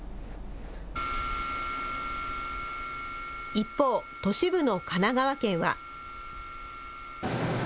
一方、都市部の神奈川県は。